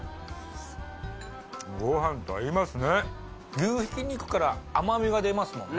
牛ひき肉から甘みが出ますもんね